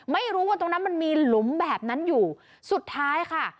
ไม่รู้ว่าตรงนั้นมันมีหลุมแบบนั้นอยู่สุดท้ายค่ะ